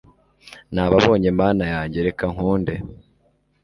nababonye mana yanjye, reka nkunde